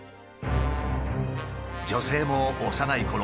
女性も幼いころ